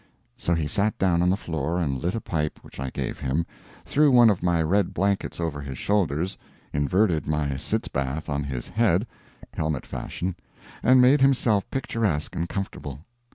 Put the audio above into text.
So he sat down on the floor, and lit a pipe which I gave him, threw one of my red blankets over his shoulders, inverted my sitz bath on his head, helmet fashion, and made himself picturesque and comfortable.